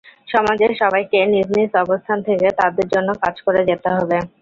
সমাজের সবাইকে নিজ নিজ অবস্থান থেকে তাদের জন্য কাজ করে যেতে হবে।